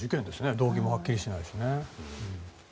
動機もはっきりしないしね。